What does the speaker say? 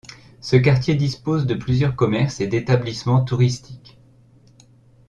Ce quartier dispose de plusieurs commerces et d'établissements touristiques.